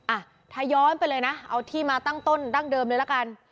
อ่ะถ้าย้อนไปเลยนะเอาที่มาตั้งต้นดั้งเดิมเลยละกัน